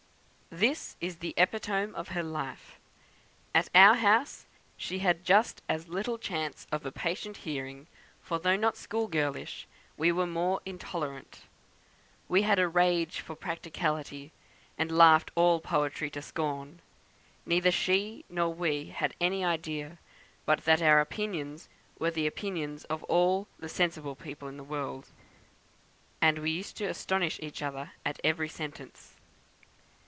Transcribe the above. "This is the epitome of her life. At our house she had just as little chance of a patient hearing, for though not school girlish, we were more intolerant. We had a rage for practicality, and laughed all poetry to scorn. Neither she nor we had any idea but that our opinions were the opinions of all the sensible people in the world, and we used to astonish each other at every sentence